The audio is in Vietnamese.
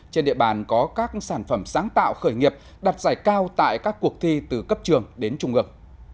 trên địa bàn có các sản phẩm sáng tạo khởi nghiệp đặt giải cao tại các cuộc thi từ cấp trường đến trung ước